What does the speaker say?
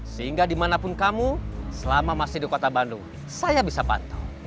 sehingga dimanapun kamu selama masih di kota bandung saya bisa pantau